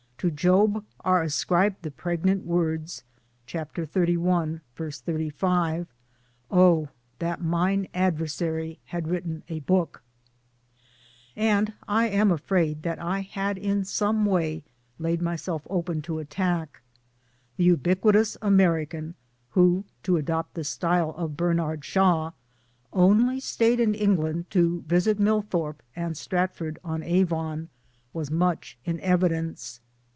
To Job are ascribed the pregnant words (xxxi. 35) " O that mine adversary had written a book !" And I am afraid that I had in some such way laid myself open to attack. The ubiquitous American who (to adopt the style of Bernard Shaw) only stayed in England to visit Millthorpe and Stratford on Avon, was much in evidence.